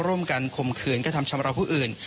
ร่วมกันคมคืนกระทำชำระผู้อื่น